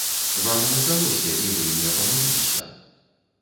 Вам не здалося і вы не памыліліся.